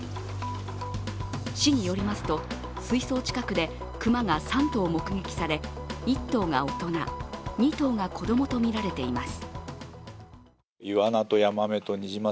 市によりますと、水槽近くで熊が３頭目撃され１頭が大人、２頭が子供とみられています。